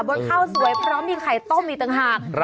ข้าวสวยพร้อมมีไข่ต้มอีกต่างหาก